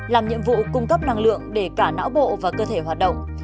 làm nhiệm vụ cung cấp năng lượng để cả não bộ và cơ thể hoạt động